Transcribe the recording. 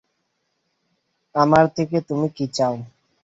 আমার থেকে তুমি কি চাও?